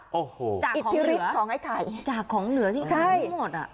โอ้โหจากของเหลือของไอ้ไข่จากของเหลือที่มันไม่หมดอ่ะ